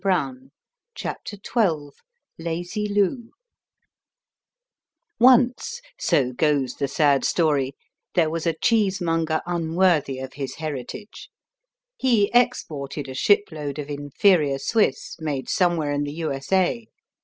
Chapter Twelve Lazy Lou Once, so goes the sad story, there was a cheesemonger unworthy of his heritage. He exported a shipload of inferior "Swiss" made somewhere in the U.S.A.